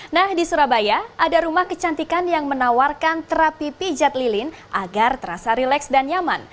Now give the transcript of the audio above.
nah di surabaya ada rumah kecantikan yang menawarkan terapi pijat lilin agar terasa rileks dan nyaman